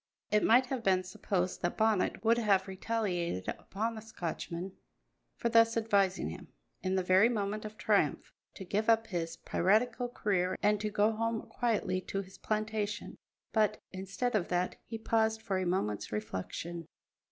It might have been supposed that Bonnet would have retaliated upon the Scotchman for thus advising him, in the very moment of triumph, to give up his piratical career and to go home quietly to his plantation, but, instead of that, he paused for a moment's reflection.